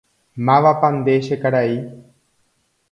¡Mávapa nde che karai!